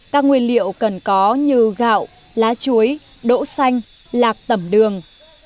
các nguyên liệu cần có như gạo lá chuối đỗ xanh lạc tẩm đường